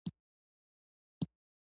حشمتي وويل سمه ده اوس به خپله ډوډۍ وخورو.